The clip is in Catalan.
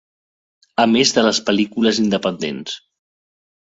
A més de les pel·lícules independents.